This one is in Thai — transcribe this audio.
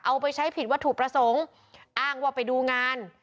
เอาไปใช้ผิดวัตถุประสงค์อ้างว่าไปดูงาน